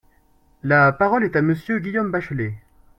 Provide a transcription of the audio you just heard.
La parole est à Monsieur Guillaume Bachelay.